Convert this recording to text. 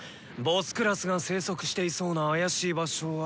頭級が生息していそうな怪しい場所は。